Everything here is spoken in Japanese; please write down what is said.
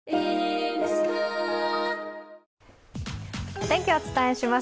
お天気をお伝えします。